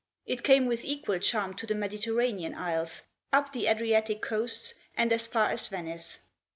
It came with equal charm to the Mediter ranean isles, up the Adriatic coasts, and as far as Venice.